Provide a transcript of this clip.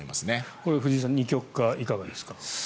これ藤井さん二極化いかがですか。